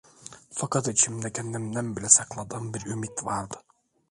Fakat içimde kendimden bile sakladığım bir ümit vardı.